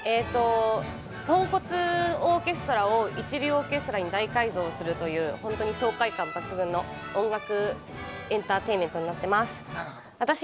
ポンコツオーケストラを一流オーケストラに大改造するという爽快感抜群の音楽エンターテインメントになっています。